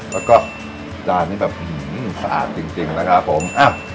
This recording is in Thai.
แล้วก็จานนี้แบบสะอาดจริงนะครับผม